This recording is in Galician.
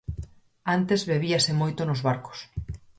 Antes bebíase moito nos barcos.